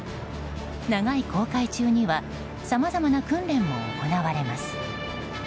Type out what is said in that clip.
長い航海中にはさまざまな訓練も行われます。